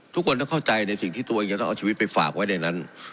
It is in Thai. ทุกคนต้องเข้าใจในสิ่งที่ตัวเองจะต้องเอาชีวิตไปฝากไว้ในนั้น